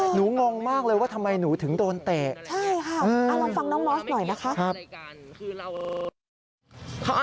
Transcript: หนูงงมากเลยว่าทำไมหนูถึงโดนเตะ